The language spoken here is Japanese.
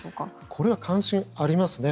これは関心がありますね。